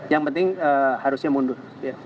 yang penting harusnya mundur